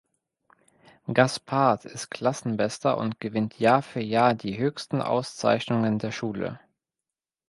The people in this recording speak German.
Gaspard ist Klassenbester und gewinnt Jahr für Jahr die höchsten Auszeichnungen der Schule.